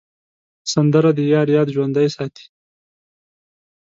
سندره د یار یاد ژوندی ساتي